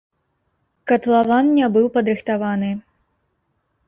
Катлаван не быў падрыхтаваны.